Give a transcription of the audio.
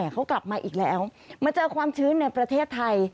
เขากลับมาอีกแล้วมาเจอความชื้นในประเทศไทย